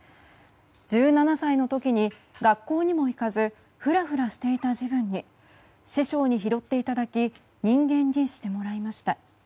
１７歳の時に、学校にも行かずふらふらしていた時分に師匠に拾っていただき人間にしてもらいました。